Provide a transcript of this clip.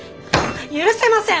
許せません！